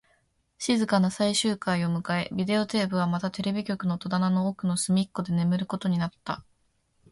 静かな最終回を迎え、ビデオテープはまたテレビ局の戸棚の奥の隅っこで眠ることになった